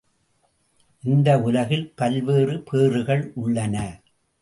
இந்த உலகில் பல்வேறு பேறுகள் உள்ளன.